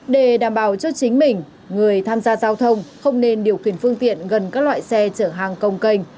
để đảm bảo cho chính mình người tham gia giao thông không nên điều khiển phương tiện gần các loại xe chở hàng công canh